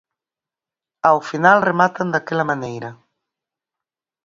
Ao final rematan daquela maneira.